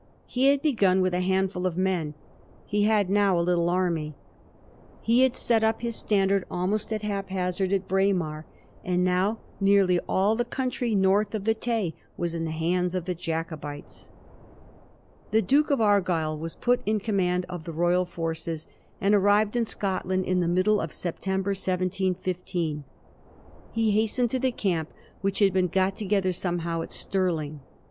He had begun with a handful of men. He had now a little army. He had set up his standard almost at haphazard at Braemar, and now nearly all the country north of the Tay was in the hands of the Jacobites. The Duke of Argyll was put in command of the royal forces, and arrived in Scotland in the middle of September, 1715. He hastened to the camp, which had been got together somehow at Stirling.